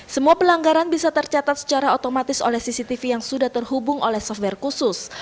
semua pelanggaran bisa tercatat secara otomatis oleh cctv yang sudah terhubung oleh software khusus